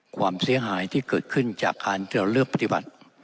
ความเสียหายที่เกิดขึ้นจากการที่เราเลือกปฏิบัติ